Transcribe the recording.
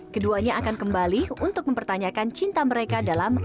keduanya akan kembali untuk mempertanyakan cinta mereka dalam